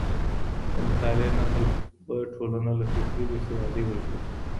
د مطالعې نسل به ټولنه له فکري بېسوادۍ وژغوري.